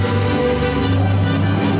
hidup istana yang baik